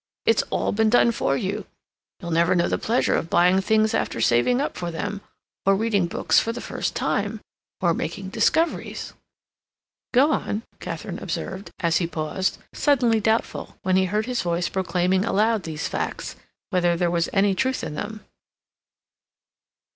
"It's all been done for you. You'll never know the pleasure of buying things after saving up for them, or reading books for the first time, or making discoveries." "Go on," Katharine observed, as he paused, suddenly doubtful, when he heard his voice proclaiming aloud these facts, whether there was any truth in them.